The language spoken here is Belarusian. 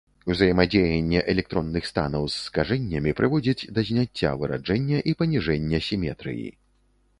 Ўзаемадзеянне электронных станаў з скажэннямі прыводзіць да зняцця выраджэння і паніжэння сіметрыі.